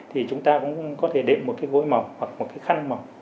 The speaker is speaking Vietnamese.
thì chúng ta cũng có thể đệm một cái gối mỏng hoặc một cái khăn màu